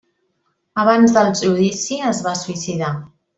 Abans del judici es va suïcidar.